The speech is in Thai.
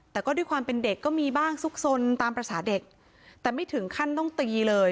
แต่ก็ด้วยความเป็นเด็กก็มีบ้างซุกซนตามภาษาเด็กแต่ไม่ถึงขั้นต้องตีเลย